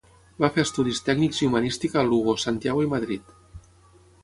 Va fer estudis tècnics i humanística a Lugo, Santiago i Madrid.